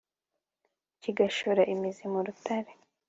kigashora imizi mu rutare